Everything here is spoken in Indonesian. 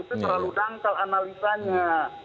itu terlalu dangkal analisanya